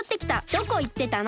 どこいってたの！？